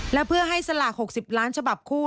และเพื่อให้สลาก๖๐ล้านฉบับคู่